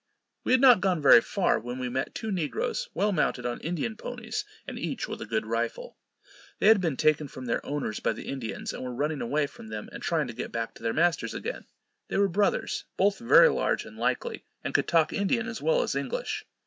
We had not gone very far, when we met two negroes, well mounted on Indian ponies, and each with a good rifle. They had been taken from their owners by the Indians, and were running away from them, and trying to get back to their masters again. They were brothers, both very large and likely, and could talk Indian as well as English.